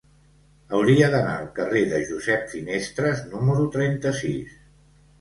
Hauria d'anar al carrer de Josep Finestres número trenta-sis.